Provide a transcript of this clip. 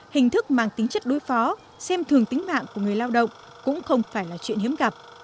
hình thức mang tính chất đối phó xem thường tính mạng của người lao động cũng không phải là chuyện hiếm gặp